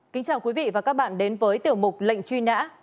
kính chào quý vị và các bạn đến với tiểu mục lệnh truy nã